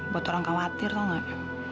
buat orang khawatir tau gak